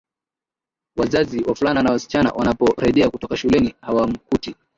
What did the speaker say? wazazi Wavulana na wasichana wanaporejea kutoka shuleni hawamkuti